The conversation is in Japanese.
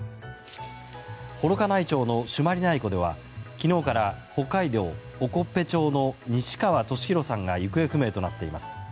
幌加内町の朱鞠内湖では昨日から北海道興部町の西川俊宏さんが行方不明となっています。